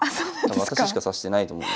私しか指してないと思うので。